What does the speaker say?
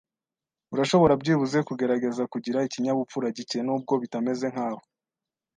Urashobora byibuze kugerageza kugira ikinyabupfura gike, nubwo bitameze nkawe.